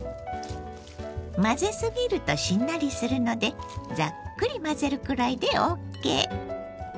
混ぜすぎるとしんなりするのでザックリ混ぜるくらいでＯＫ。